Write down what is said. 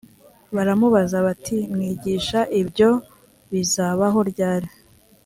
baramubaza bati mwigisha ibyo bizabaho ryari‽